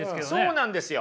そうなんですよ。